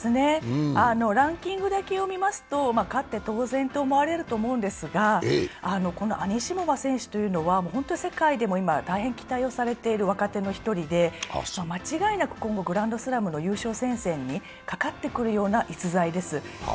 ランキングだけを見ますと勝って当然と思われると思うんですが、このアニシモバ選手というのは世界でも大変期待をされている若手の１人で間違いなく今後、グランドスラムの優勝戦線にかかってくるような逸材です。